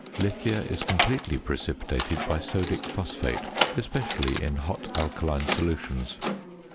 Lithia is completely precipitated by sodic phosphate, especially in hot alkaline solutions.